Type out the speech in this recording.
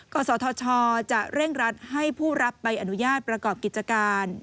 กศธชจะเร่งรัดให้ผู้รับใบอนุญาตประกอบกิจการ